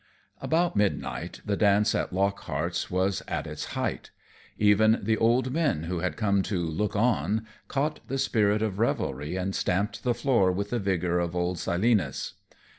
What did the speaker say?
About midnight the dance at Lockhart's was at its height. Even the old men who had come to "look on" caught the spirit of revelry and stamped the floor with the vigor of old Silenus.